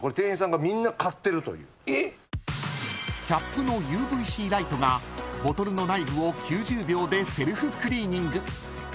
［キャップのＵＶ−Ｃライトがボトルの内部を９０秒でセルフクリーニング］